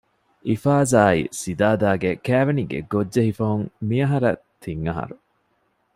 އިފާޒާއި ސިދާދާގެ ކައިވެނީގެ ގޮށްޖެހިފަހުން މިއަހަރަށް ތިން އަހަރު